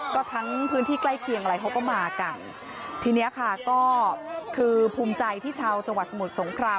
ก็ทั้งพื้นที่ใกล้เคียงอะไรเขาก็มากันทีเนี้ยค่ะก็คือภูมิใจที่ชาวจังหวัดสมุทรสงคราม